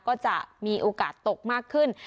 ก็จะมีโอกาสตกมากขึ้น